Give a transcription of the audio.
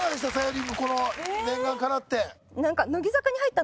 念願かなって。